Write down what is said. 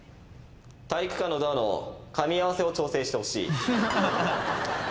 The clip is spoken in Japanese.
「体育館のドアのかみ合わせを調整してほしい」